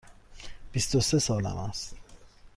بیست و سه سالم است.